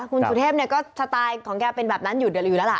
คุณสุเทพก็สไตล์ของแกเป็นแบบนั้นอยู่แล้วล่ะ